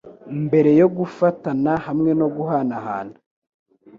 mbere yo gufatana hamwe no guhanahana